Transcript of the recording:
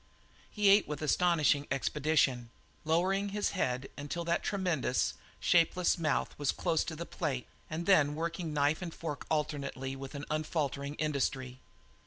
He ate with astonishing expedition, lowering his head till that tremendous, shapeless mouth was close to the plate and then working knife and fork alternately with an unfaltering industry.